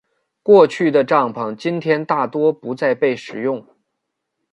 过去的帐篷今天大多不再被使用。